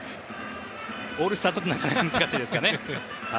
オールスターだとなかなか難しいですかね。